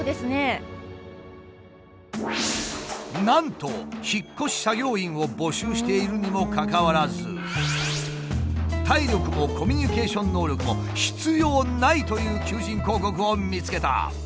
なんと引っ越し作業員を募集しているにもかかわらず体力もコミュニケーション能力も必要ないという求人広告を見つけた。